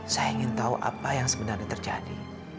saya ingin tahu apa yang sebenarnya terjadi